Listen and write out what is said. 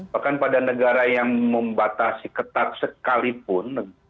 bahkan pada negara yang membatasi ketat sekalipun